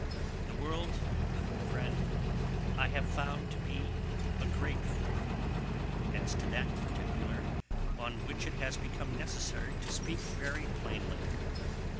The world, my friend, I have found to be a great fool, as to that particular, on which it has become necessary to speak very plainly.